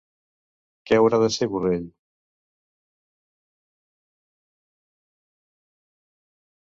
Què haurà de ser Borrell?